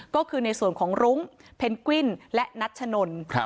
ก็คือในส่วนของรุ้งเพนกวิ้นและนัชนน